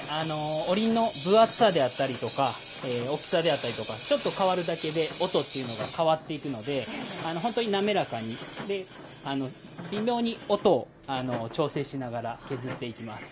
おりんの分厚さであったりとか大きさであったりとかちょっと変わるだけで音っていうのが変わっていくので本当に滑らかに微妙に音を調整しながら削っていきます。